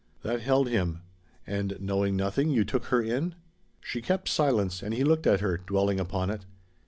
That held him. "And knowing nothing, you took her in?" She kept silence, and he looked at her, dwelling upon it.